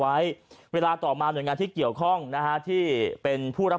ไว้เวลาต่อมาหน่วยงานที่เกี่ยวข้องนะฮะที่เป็นผู้รับ